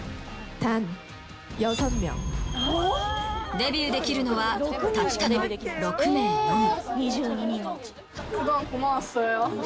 デビューできるのはたったの６名のみ。